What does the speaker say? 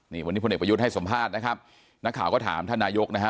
นี่วันนี้พลเอกประยุทธ์ให้สัมภาษณ์นะครับนักข่าวก็ถามท่านนายกนะฮะ